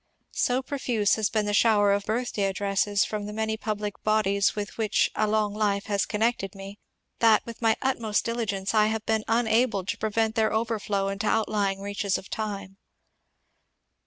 So profuse has been the shower of birthday addresses from the many public bodies with which a long life has connected me, that, with my utmost diligence, I have been unable to prevent their overflow into outlying reaches of time.